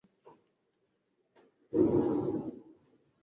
Lakini baada ya vita vya uraia, hakuna treni zozote nchini.